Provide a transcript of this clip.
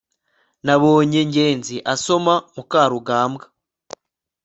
nabonye ngenzi asoma mukarugambwa (arykiss